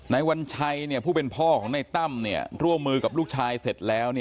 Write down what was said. วัญชัยผู้เป็นพ่อของในตั้มร่วมมือกับลูกชายเสร็จแล้ว